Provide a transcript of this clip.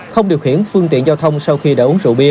không điều khiển phương tiện giao thông sau khi đã uống rượu bia